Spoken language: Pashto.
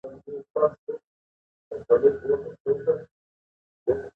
قیمتي تیږي په نورو ملکونو وپلورل شي.